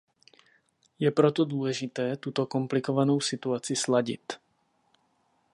Je proto důležité tuto komplikovanou situaci sladit.